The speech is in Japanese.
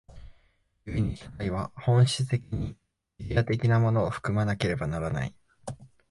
故に社会は本質的にイデヤ的なものを含まなければならない。